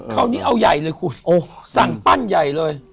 คราวนี้เอาใหญ่เลยคุณสั่งปั้นใหญ่เลย